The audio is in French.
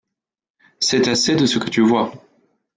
C’est assez de ce que tu vois.